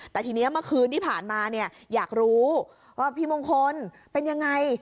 แต่ทีนี้เมื่อคืนที่ผ่านมาเนี่ยอยากรู้ว่าพี่มงคลเป็นยังไง